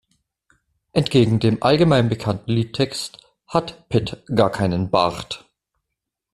Entgegen dem allgemein bekannten Liedtext hat Pit gar keinen Bart.